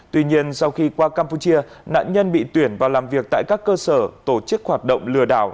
tuy nhiên sau khi qua campuchia nạn nhân bị tuyển vào làm việc tại các cơ sở tổ chức hoạt động lừa đảo